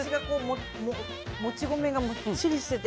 もち米がもっちりしてて。